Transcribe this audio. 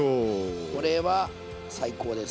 これは最高です。